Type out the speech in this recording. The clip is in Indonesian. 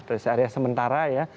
rest area sementara ya